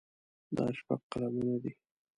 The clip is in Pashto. دا شپږ قلمونه دي.